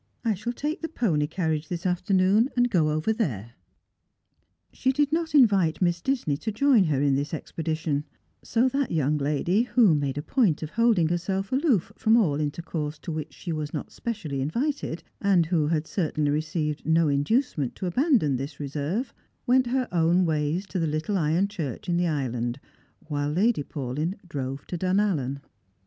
I shall take the pony carriage this afternoon and go over there." She did not invite Miss Disney to join her in this expedition ; BO that young lady, who made a point of holding herself aloof from all intercourse to which she was not specially invited, and who had certainly received no inducement to abandon this re serve, went her own ways to the little iron church in the island, while Lady Paulyn drove to Dunallen.